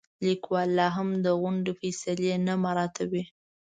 لیکوال لاهم د غونډې فیصلې نه مراعاتوي.